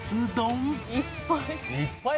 「いっぱい」